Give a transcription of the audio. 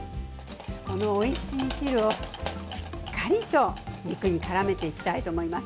このおいしい汁をしっかりと肉にからめていきたいと思います。